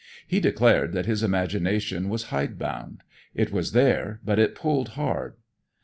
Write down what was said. He declared that his imagination was hide bound; it was there, but it pulled hard.